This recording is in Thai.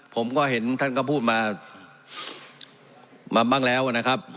ผมก็เห็นท่านก็พูดมาบ้างแล้วนะครับ